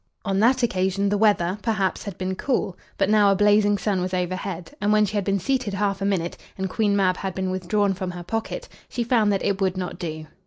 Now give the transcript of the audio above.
On that occasion the weather, perhaps, had been cool; but now a blazing sun was overhead, and when she had been seated half a minute, and "Queen Mab" had been withdrawn from her pocket, she found that it would not do.